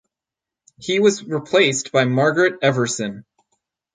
He was replaced by Margaret Everson.